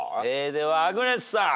ではアグネスさん。